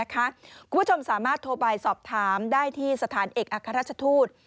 คุณผู้ชมสามารถโทรไปสอบถามได้ที่สถานเอกอัครราชทูต